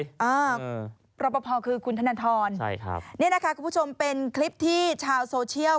ตอบว่ารับประพาของหมู่บ้านชวนชื่น